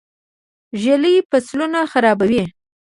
ږلۍ فصلونه خرابوي.